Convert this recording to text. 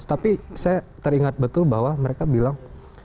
tapi saya teringat betul bahwa mereka bilang